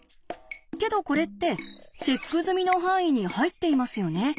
けどこれってチェック済みの範囲に入っていますよね。